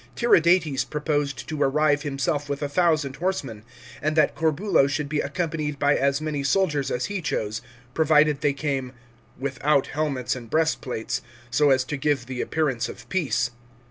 Tiridates proposed to arrive himself with a thousand horsemen, and that Corbulo should be accompanied by as many soldiers as he chose, provided they came " without helmets and breastplates, so as to give the appearance of peace."